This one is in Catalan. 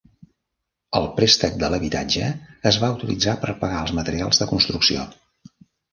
El préstec de l'habitatge es va utilitzar per pagar els materials de construcció.